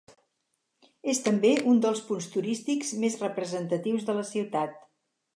És també un dels punts turístics més representatius de la ciutat.